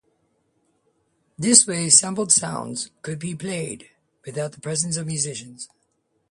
This way, sampled sounds could be played without the presence of musicians.